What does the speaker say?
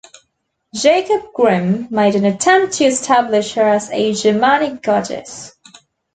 Jacob Grimm made an attempt to establish her as a Germanic goddess.